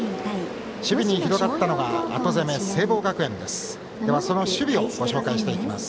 守備に広がったのが後攻め、聖望学園です。